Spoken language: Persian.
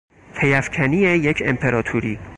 پیافکنی یک امپراطوری